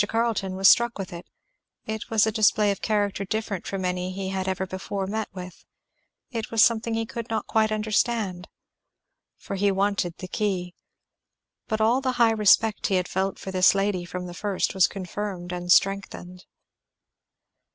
Carleton was struck with it, it was a display of character different from any he had ever before met with; it was something he could not quite understand. For he wanted the key. But all the high respect he had felt for this lady from the first was confirmed and strengthened.